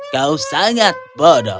kau sangat bodoh